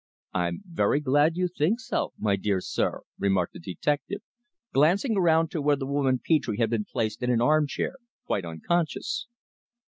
"I'm very glad you think so, my dear sir," remarked the detective, glancing round to where the woman Petre had been placed in an armchair quite unconscious.